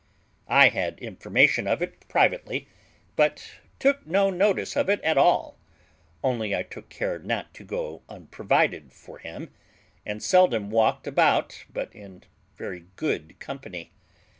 I had information of it privately, but took no notice of it at all; only I took care not to go unprovided for him, and seldom walked about but in very good company.